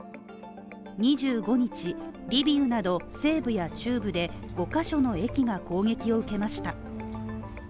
２５日、リビウなど西部や中部で５カ所の駅が攻撃を受けました。